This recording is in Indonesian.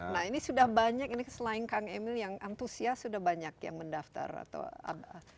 nah ini sudah banyak ini selain kang emil yang antusias sudah banyak yang mendaftar atau ada